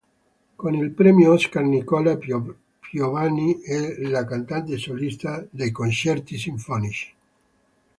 Con il Premio Oscar Nicola Piovani è la cantante solista dei Concerti Sinfonici.